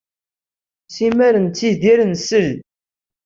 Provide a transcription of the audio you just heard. Simmal nettidir nsell.